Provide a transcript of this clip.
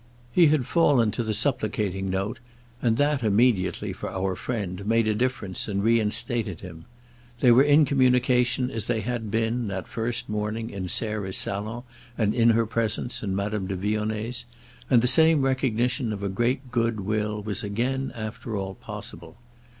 He had fallen to the supplicating note, and that immediately, for our friend, made a difference and reinstated him. They were in communication as they had been, that first morning, in Sarah's salon and in her presence and Madame de Vionnet's; and the same recognition of a great good will was again, after all, possible.